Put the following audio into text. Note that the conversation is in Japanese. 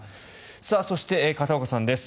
そして片岡さんです。